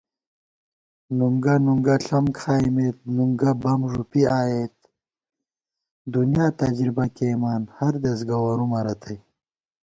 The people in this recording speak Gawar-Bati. نُنگہ نُنگہ ݪم کھائیمېت، نُنگہ بم ݫُپی آئېت * دُنیا تجربہ کېئیمان ہردېس گوَرُومہ رتئ